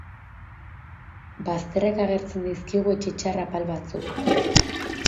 Bazterrak agertzen dizkigu etxe txar apal batzuk.